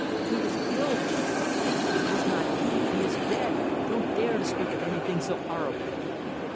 "He was killed!" she cried. "It was not he! He is dead! Don't dare to speak of anything so horrible!"